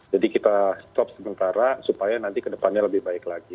jadi kita stop sementara supaya nanti ke depannya lebih baik lagi